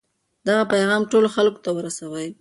دغه پیغام ټولو خلکو ته ورسوئ.